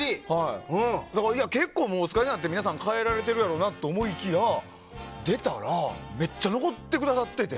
だから結構お疲れになって皆さん帰られてるだろうなと思って出たらめっちゃ残ってくださっていて。